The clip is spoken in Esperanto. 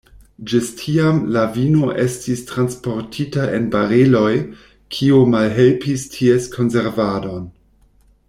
Ĝis tiam la vino estis transportita en bareloj, kio malhelpis ties konservadon.